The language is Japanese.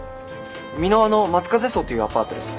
美ノ和の松風荘というアパートです。